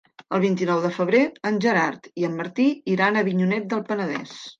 El vint-i-nou de febrer en Gerard i en Martí iran a Avinyonet del Penedès.